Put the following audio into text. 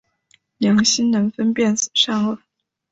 良心能分辨善恶。